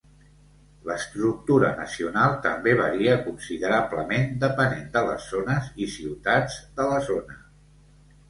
L'estructura nacional també varia considerablement depenent de les zones i ciutats de la zona.